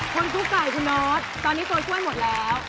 คนทุกข่ายปุ๋นอสตอนนี้ตรงนี้ก็ไม่มาแล้ว